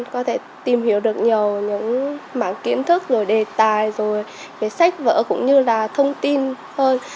có thể tìm hiểu được nhiều những mảng kiến thức rồi đề tài rồi cái sách vỡ cũng như là thông tin hơn